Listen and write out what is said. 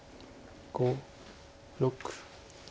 ５６。